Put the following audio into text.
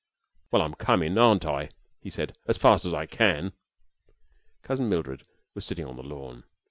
"Well, I'm comin', aren't I?" he said, "as fast as I can." Cousin Mildred was sitting on the lawn.